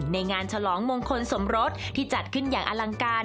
งานฉลองมงคลสมรสที่จัดขึ้นอย่างอลังการ